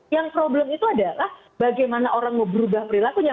yang problem itu adalah bagaimana orang mau berubah perilakunya